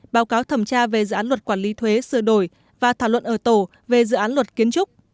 báo cáo thẩm tra về dự án luật quản lý thuế sửa đổi và thảo luận ở tổ về dự án luật kiến trúc